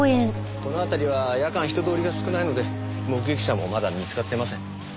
この辺りは夜間人通りが少ないので目撃者もまだ見つかってません。